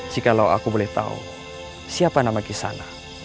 jikalau aku boleh tahu siapa nama kisana